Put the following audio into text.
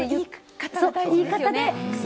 言い方でね。